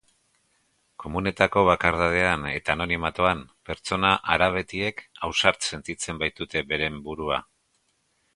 Komunetako bakardadean eta anonimatoan pertsona herabetiek ausart sentitzen baitute beren burua.